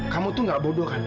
kamu tuh gak bodoh kan